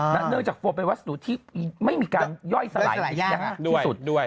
อ๋อใช่นั่นเนื่องจากโฟมเป็นวัสดุที่ไม่มีการย่อยสลายยากที่สุดด้วยด้วย